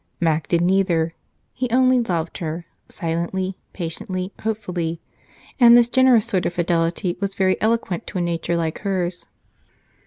Mac did neither; he only loved her, silently, patiently, hopefully, and this generous sort of fidelity was very eloquent to a nature like hers.